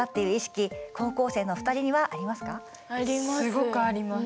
すごくあります！